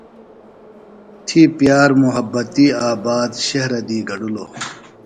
تھی پِیار مُحبتی آباد شہرہ دی گڈِلوۡ۔